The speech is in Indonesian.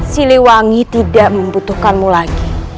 siliwangi tidak membutuhkanmu lagi